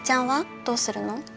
どうするの？